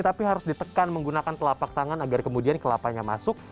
tapi harus ditekan menggunakan telapak tangan agar kemudian kelapanya masuk